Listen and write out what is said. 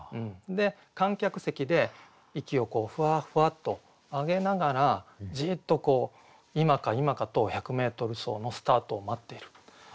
観客席で息をふわふわっと上げながらじっと今か今かと１００メートル走のスタートを待っている。